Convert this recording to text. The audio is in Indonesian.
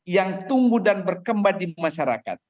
yang tumbuh dan berkembang di masyarakat